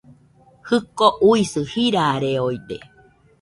Jɨko uisɨ jirareoide